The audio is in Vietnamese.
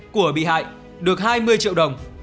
của bị hại được hai mươi triệu đồng